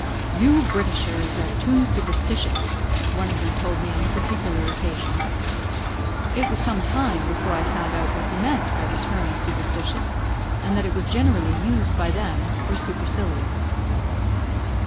"You Britishers are too superstitious," one of them told me on a particular occasion. It was some time before I found out what he meant by the term "superstitious," and that it was generally used by them for "supercilious."